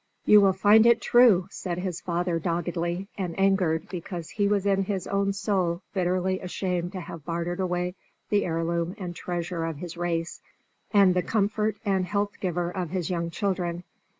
"You will find it true," said his father, doggedly, and angered because he was in his own soul bitterly ashamed to have bartered away the heirloom and treasure of his race, and the comfort and healthgiver of his young children.